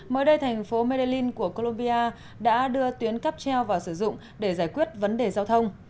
mới đây thành phố merdein của colombia đã đưa tuyến cáp treo vào sử dụng để giải quyết vấn đề giao thông